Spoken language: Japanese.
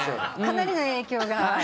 かなりの影響が。